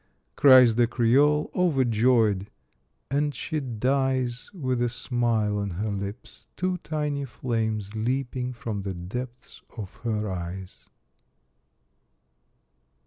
cries the Creole, overjoyed, and she dies with a smile on her lips, two tiny flames leaping from the depths of her eyes.